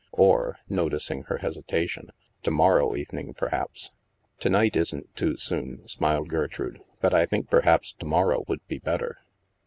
Or " (noticing her hesitation), *' to morrow evening, perhaps?" " To night isn't too soon," smiled Gertrude, " but I think perhaps to morrow would be better."